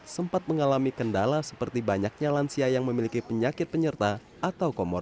sempat mengalami kendala seperti banyaknya lansia yang memiliki penyakit penyerta atau komorbid